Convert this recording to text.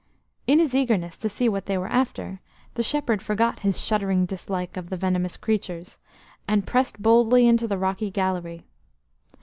In his eagerness to see what they were after, the shepherd forgot his shuddering dislike of the venomous creatures, and pressed boldly into the rocky gallery.